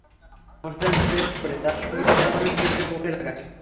মসুর ডাল পেস্ট করে তার সঙ্গে কাঁচা হলুদ বেটে মুখে লাগান।